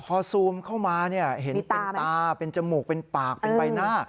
พอซูมเข้ามาเห็นเป็นตาเป็นจมูกเป็นปากเป็นใบหน้า